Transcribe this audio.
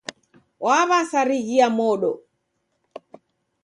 Waw'asarighia mondo.